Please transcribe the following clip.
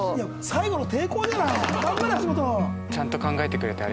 最後の抵抗じゃない。